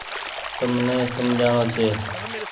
تم ني سمجهآڻو ڇي۔